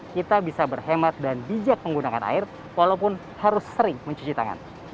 kita bisa berhemat dan bijak menggunakan air walaupun harus sering mencuci tangan